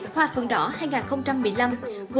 chính dịch hoa phượng đỏ